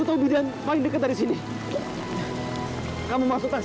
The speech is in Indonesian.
tidak masih mudah